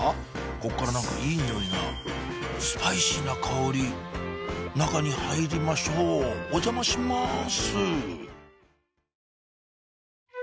こっから何かいい匂いがスパイシーな香り中に入りましょうお邪魔します